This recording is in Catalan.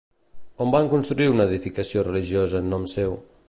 On van construir una edificació religiosa en nom seu?